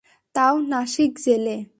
তাও নাসিক জেলে।